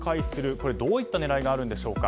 これはどういった狙いがあるんでしょうか。